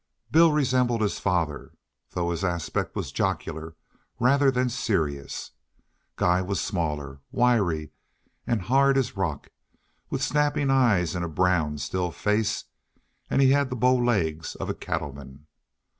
Bill resembled his father, though his aspect was jocular rather than serious. Guy was smaller, wiry, and hard as rock, with snapping eyes in a brown, still face, and he had the bow legs of a cattleman.